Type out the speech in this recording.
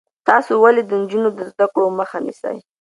تاسو ولې د نجونو د زده کړو مخه نیسئ؟